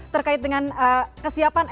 terkait dengan kesiapan